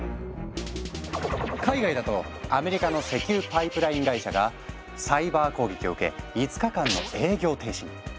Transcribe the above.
海外だとアメリカの石油パイプライン会社がサイバー攻撃を受け５日間の営業停止に。